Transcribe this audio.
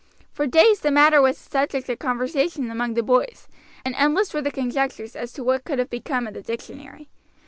For days the matter was a subject of conversation among the boys, and endless were the conjectures as to what could have become of the dictionary.